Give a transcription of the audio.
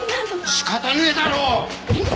仕方ねえだろ！